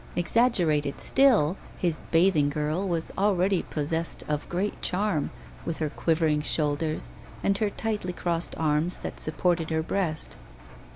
Exaggerated still, his 'Bathing Girl' was already possessed of great charm, with her quivering shoulders and her tightly crossed arms that supported her breast.